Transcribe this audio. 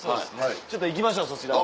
ちょっと行きましょうそちらに。